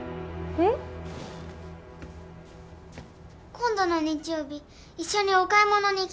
今度の日曜日一緒にお買い物に行きたい。